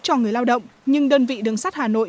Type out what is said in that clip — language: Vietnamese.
cho người lao động nhưng đơn vị đường sắt hà nội